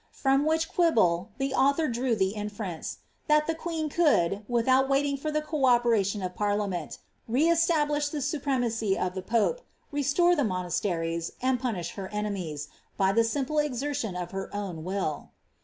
Frooi which quibble the author drew the inference, ^ that the queen could (without waiting for the co operation of parliament) re establish the supremacy of the pope, restore the monasteries, and punish her enemies, by the simple exertion of her own will.'